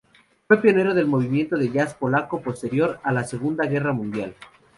Fue pionero del movimiento de jazz polaco posterior a la segunda guerra mundial.